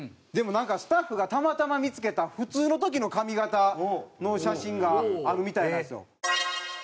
でもなんかスタッフがたまたま見付けた普通の時の髪形の写真があるみたいなんですよ。